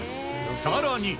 さらに。